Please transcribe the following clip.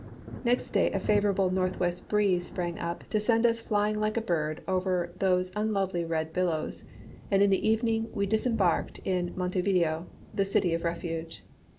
Next day a favourable north west breeze sprang up to send us flying like a bird over those unlovely red billows, and in the evening we disembarked in Montevideo, the city of refuge.